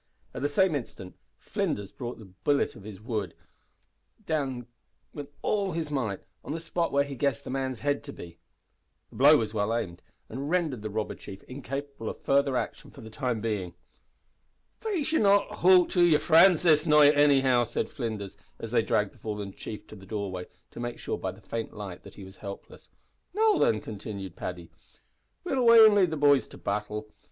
At the same instant Flinders brought his billet of wood down with all his might on the spot where he guessed the man's head to be. The blow was well aimed, and rendered the robber chief incapable of further action for the time being. "Faix, ye'll not `hoot' to yer frinds this night, anyhow," said Flinders, as they dragged the fallen chief to the doorway, to make sure, by the faint light, that he was helpless. "Now, thin," continued Paddy, "we'll away an' lead the boys to battle.